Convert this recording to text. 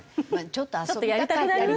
ちょっと遊びたかったの！